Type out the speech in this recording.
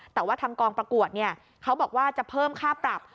แต่ว่าทางกองประกวดเขาบอกว่าจะเพิ่มค่าปรับ